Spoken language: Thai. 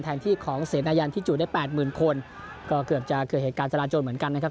ไทน์ที่ของเสร็จรายันที่จุดได้๘๐๐๐๐คนก็เกือบจะเกี่ยวกับเหตุการณ์จำนาจโจนเหมือนกันนะครับ